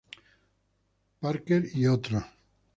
Parker "et al.